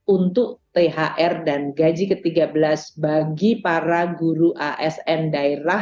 untuk thr dan gaji ke tiga belas bagi para guru asn daerah